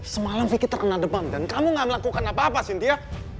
semalam vicky terkena demam dan kamu gak melakukan apa apa cynthia